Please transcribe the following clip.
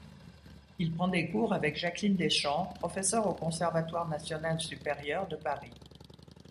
Il prend des cours avec Jacqueline Deschamps professeur au conservatoire national supérieur de Paris.